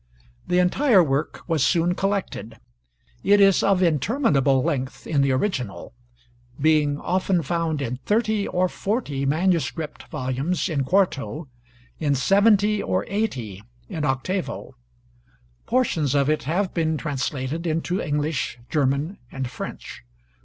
The entire work was soon collected. It is of interminable length in the original, being often found in thirty or forty manuscript volumes in quarto, in seventy or eighty in octavo. Portions of it have been translated into English, German, and French.